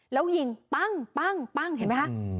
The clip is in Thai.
แล้วยิงปั้งเห็นไหมคะ